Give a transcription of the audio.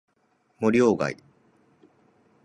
森鴎外